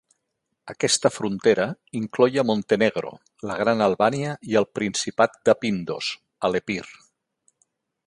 Aquesta frontera incloïa Montenegro, la Gran Albània i el principat de Pindos, a l'Epir.